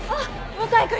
向井君